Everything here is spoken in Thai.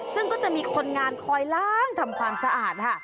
ซึ่งก็จะมีคนงานคอยล้างทำความสะอาดค่ะ